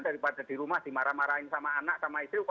daripada di rumah dimarah marahin sama anak sama istri